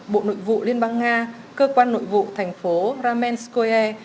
bộ nội vụ liên bang nga cơ quan nội vụ thành phố ramenskoy